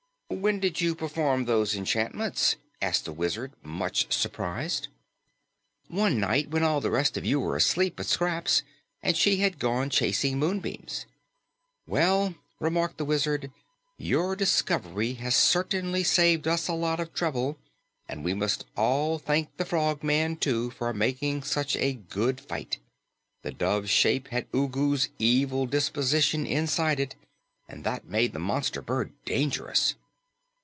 "When did you perform those enchantments?" asked the Wizard, much surprised. "One night when all the rest of you were asleep but Scraps, and she had gone chasing moonbeams." "Well," remarked the Wizard, "your discovery has certainly saved us a lot of trouble, and we must all thank the Frogman, too, for making such a good fight. The dove's shape had Ugu's evil disposition inside it, and that made the monster bird dangerous."